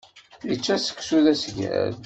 Ičča seksu d asgal.